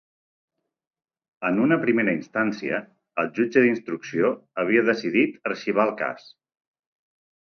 En una primera instància, el jutge d’instrucció havia decidit arxivar el cas.